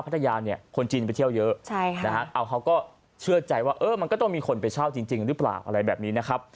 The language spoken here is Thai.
พัทยาคนจีนไปเที่ยวเยอะเขาก็เชื่อใจว่ามันก็ต้องมีคนไปเช่าจริงหรือเปล่า